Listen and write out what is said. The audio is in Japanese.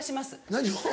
何を？